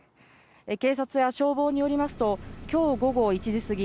警察や消防によりますと、きょう午後１時過ぎ、